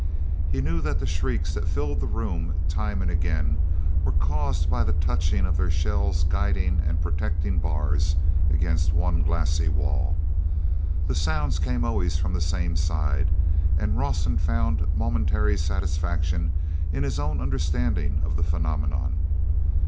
He knew that the shrieks that filled the room time and again were caused by the touching of their shell's guiding and protecting bars against one glassy wall. Those sounds came always from the same side and Rawson found momentary satisfaction in his own understanding of the phenomenon.